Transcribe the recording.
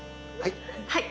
はい。